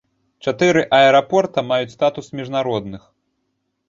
Чатыры аэрапорта маюць статус міжнародных.